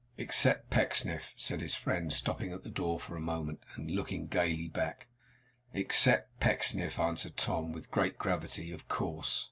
' Except Pecksniff,' said his friend, stopping at the door for a moment, and looking gayly back. 'Except Pecksniff,' answered Tom, with great gravity; 'of course.